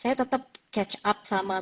saya tetap catch up sama berita di indonesia